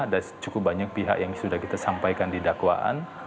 ada cukup banyak pihak yang sudah kita sampaikan di dakwaan